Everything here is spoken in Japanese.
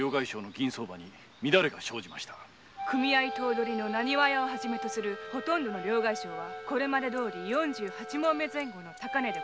組合頭取の浪花屋を始めとするほとんどの両替商はこれまでどおり四十八匁前後の高値ですが。